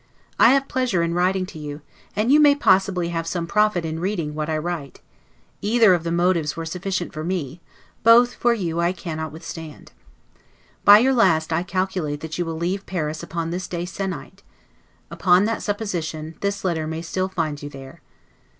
I have pleasure in writing to you; and you may possibly have some profit in reading what I write; either of the motives were sufficient for me, both for you I cannot withstand. By your last I calculate that you will leave Paris upon this day se'nnight; upon that supposition, this letter may still find you there.